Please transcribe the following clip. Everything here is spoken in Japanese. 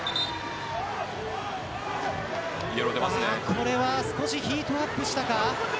これは少しヒートアップしたか。